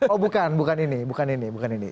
oh bukan bukan ini bukan ini bukan ini